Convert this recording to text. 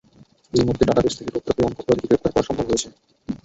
এরই মধ্যে ডেটাবেইস থেকে তথ্য পেয়ে অনেক অপরাধীকে গ্রেপ্তার করা সম্ভব হয়েছে।